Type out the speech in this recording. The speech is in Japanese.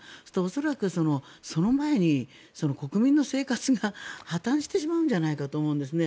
恐らくその前に国民の生活が破たんしてしまうんじゃないかと思うんですね。